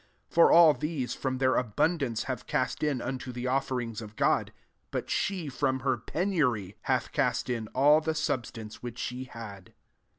4 For allthes^, from their abun dance, have cast in unto the of ferings of God : but she, fh>m ber penury, hath cast in all the substance which she had."